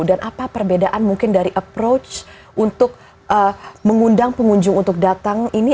dan apa perbedaan mungkin dari approach untuk mengundang pengunjung untuk datang ini